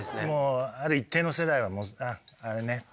もうある一定の世代はもうあれね。